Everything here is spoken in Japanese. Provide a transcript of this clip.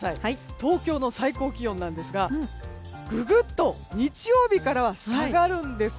東京の最高気温なんですがググっと日曜日からは下がります。